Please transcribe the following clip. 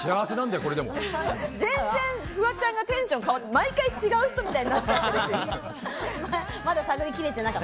全然フワちゃんがテンション、毎回違う人みたいになっちゃってるし。